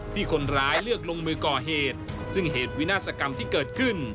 ที่คนร้ายเลือกลงมือก่อเหตุซึ่งเหตุวินาศกรรมที่เกิดขึ้น